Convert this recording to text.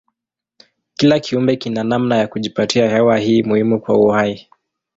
Kila kiumbe kina namna ya kujipatia hewa hii muhimu kwa uhai.